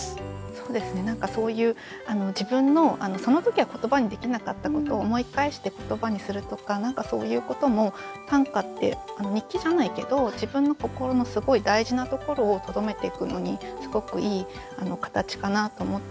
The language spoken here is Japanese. そうですね何かそういう自分のその時は言葉にできなかったことを思い返して言葉にするとか何かそういうことも短歌って日記じゃないけど自分の心のすごい大事なところをとどめていくのにすごくいい形かなと思っていて。